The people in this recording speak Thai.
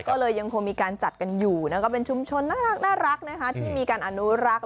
ก็เลยยังคงมีการจัดกันอยู่ก็เป็นชุมชนน่ารักที่มีการอนุรักษ์